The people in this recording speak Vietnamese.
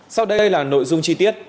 sau đây là nội dung chi tiết